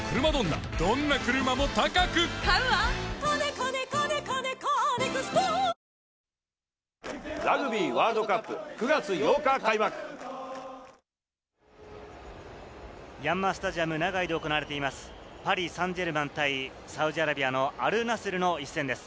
ここかな、オーバーヘッヤンマースタジアム長居で行われています、パリ・サンジェルマン対サウジアラビアのアルナスルの一戦です。